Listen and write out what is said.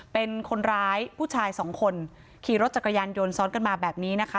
เป็นคนร้ายผู้ชายสองคนขี่รถจักรยานยนต์ซ้อนกันมาแบบนี้นะคะ